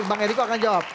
bang ericko akan jawab